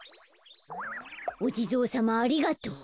おじぞうさまありがとう。